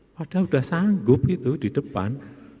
padahal sudah sanggup gitu di depan